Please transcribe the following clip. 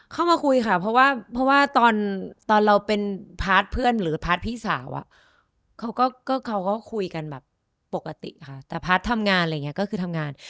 เข้ามาคุยค่ะเพราะว่าเพราะว่าตอนเราเป็นพาร์ทเพื่อนหรือพาร์ทพี่สาวเขาก็เขาก็คุยกันแบบปกติค่ะแต่พาร์ททำงานอะไรอย่างนี้ก็คือทำงาน